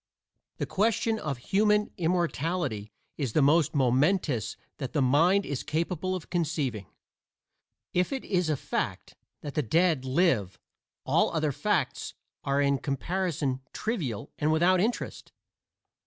The question of human immortality is the most momentous that the mind is capable of conceiving. If it is a fact that the dead live all other facts are in comparison trivial and without interest.